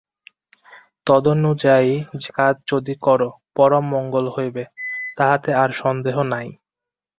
তদনুযায়ী কাজ যদি কর, পরম মঙ্গল হইবে, তাহাতে আর সন্দেহ নাই।